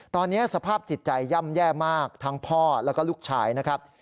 ตอนนี้สภาพจิตใจย่ำแย่มากทั้งพ่อแล้วก็ลูกชายนะครับ